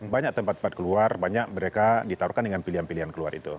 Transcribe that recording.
banyak tempat tempat keluar banyak mereka ditaruhkan dengan pilihan pilihan keluar itu